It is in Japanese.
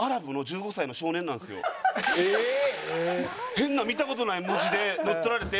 変な見た事ない文字で乗っ取られて。